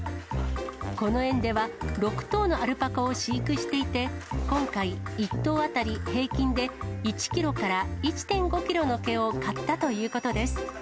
この園では、６頭のアルパカを飼育していて、今回、１頭当たり平均で１キロから１．５キロの毛を刈ったということです。